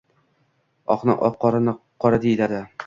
Oqni oq, qorani qora, deyiladi.